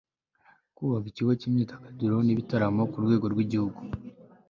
kubaka ikigo cy'imyidagaduro n'ibitaramo ku rwego rw'igihugu